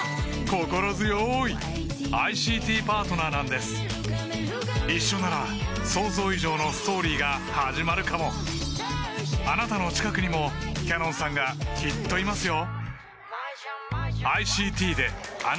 心強いＩＣＴＰＡＲＴＮＥＲなんです一緒なら想像以上のストーリーが始まるかもあなたの近くにもＣａｎｏｎさんがきっといますよ